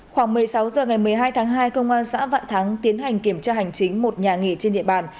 khoảng một mươi sáu h ngày một mươi hai tháng hai công an xã vạn thắng tiến hành kiểm tra hành chính một nhà nghỉ trên địa bàn